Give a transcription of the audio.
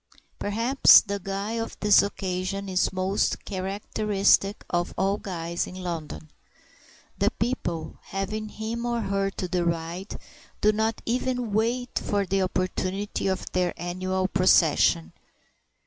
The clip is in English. Perhaps the guy of this occasion is most characteristic of all guys in London. The people, having him or her to deride, do not even wait for the opportunity of their annual procession.